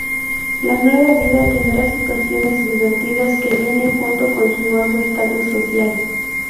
La nueva vida tendrá situaciones divertidas que vienen junto con su nuevo estatus social.